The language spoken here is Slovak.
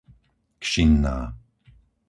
Kšinná